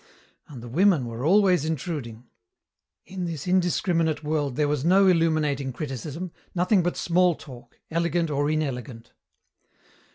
And the women were always intruding. In this indiscriminate world there was no illuminating criticism, nothing but small talk, elegant or inelegant.